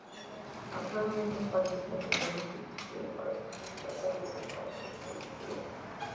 Actualmente imparte clases en un instituto y aprovecha sus ratos libres para continuar escribiendo.